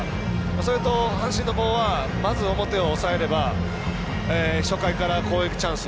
それと、阪神のほうはまず表を抑えれば初回から攻撃チャンス